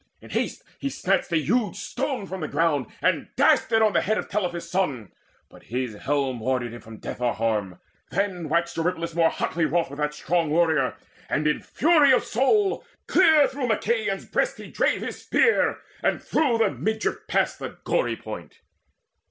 In haste he snatched a huge stone from the ground, And dashed it on the head of Telephus' son; But his helm warded him from death or harm Then waxed Eurypylus more hotly wroth With that strong warrior, and in fury of soul Clear through Machaon's breast he drave his spear, And through the midriff passed the gory point.